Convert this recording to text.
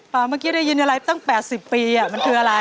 เมื่อกี้ได้ยินอะไรตั้ง๘๐ปีมันคืออะไร